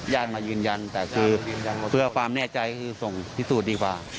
ญาติมายืนยันแต่คือเพื่อความแน่ใจคือส่งพิสูจน์ดีกว่า